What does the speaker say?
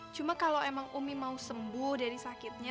cuma kalau emang umi mau sembuh dari sakitnya